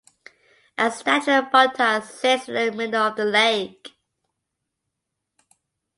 A statue of Buddha sits in the middle of the lake.